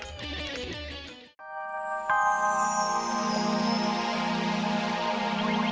biasa sih loh kalauovan aku ya